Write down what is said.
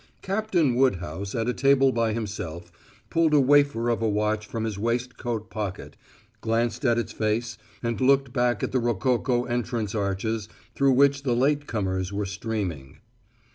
Captain Woodhouse, at a table by himself, pulled a wafer of a watch from his waistcoat pocket, glanced at its face and looked back at the rococo entrance arches, through which the late comers were streaming.